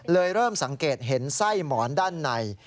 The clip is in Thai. เริ่มสังเกตเห็นไส้หมอนด้านใน